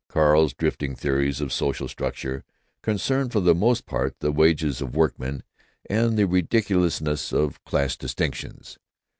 Carl's drifting theories of social structure concerned for the most part the wages of workmen and the ridiculousness of class distinctions.